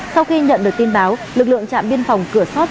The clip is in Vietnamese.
sau khi nhận được tin báo lực lượng trạm biên phòng cửa sót